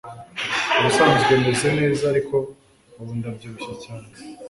Ubusanzwe meze neza ariko ubu ndabyibushye cyane